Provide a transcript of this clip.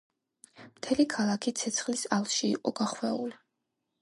მთელი ქალაქი ცეცხლის ალში იყო გახვეული.